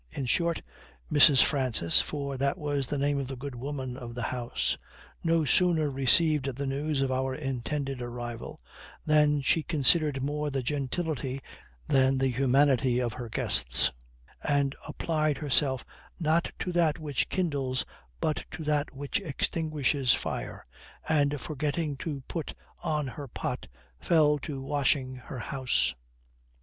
In short, Mrs. Francis (for that was the name of the good woman of the house) no sooner received the news of our intended arrival than she considered more the gentility than the humanity of her guests, and applied herself not to that which kindles but to that which extinguishes fire, and, forgetting to put on her pot, fell to washing her house.